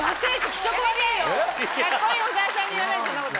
カッコいい小澤さんに言わないでそんなこと。